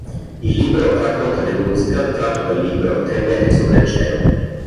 Il libro racconta del Musical tratto dal libro "Tre metri sopra il cielo".